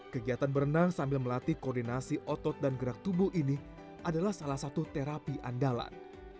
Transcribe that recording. kegiatan berenang sambil melatih koordinasi otot dan gerak tubuh ini adalah salah satu terapi andalan